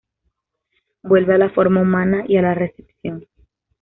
Vuelve a la forma humana, y a la recepción.